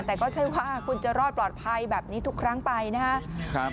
แต่ก็ใช่ว่าคุณจะรอดปลอดภัยแบบนี้ทุกครั้งไปนะครับ